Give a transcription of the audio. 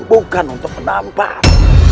bukan untuk menampak